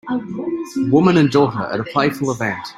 Woman and daughter at a playful event.